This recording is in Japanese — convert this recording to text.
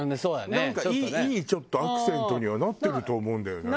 なんかいいちょっとアクセントにはなってると思うんだよね。